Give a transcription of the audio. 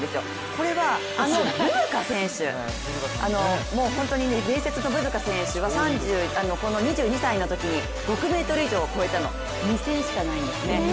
これはあのブブカ選手伝説のブブカ選手は２２歳の時に６ｍ以上を超えたの２戦しかないんです。